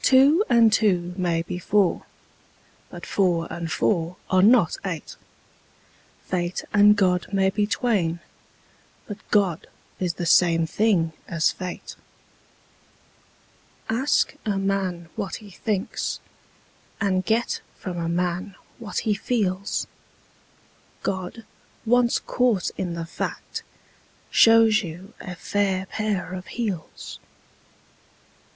Two and two may be four: but four and four are not eight: Fate and God may be twain: but God is the same thing as fate. Ask a man what he thinks, and get from a man what he feels: God, once caught in the fact, shows you a fair pair of heels.